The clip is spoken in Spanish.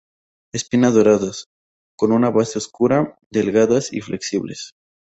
Espinas doradas, con una base oscura, delgadas y flexibles.